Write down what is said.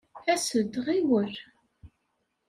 As-d, ɣiwel!